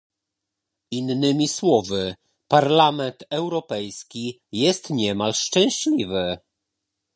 Innymi słowy Parlament Europejski jest niemal szczęśliwy